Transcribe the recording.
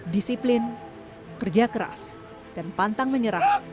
disiplin kerja keras dan pantang menyerah